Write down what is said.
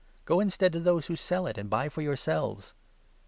Go instead to those who sell it, and buy for yourselves.'